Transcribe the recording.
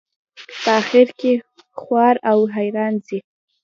په آخر کې خوار او حیران ځي.